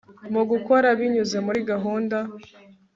mugukora binyuze muri gahunda